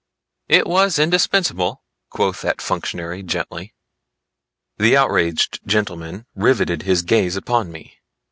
"It was indispensable," quoth that functionary gently. The outraged gentleman riveted his gaze upon me.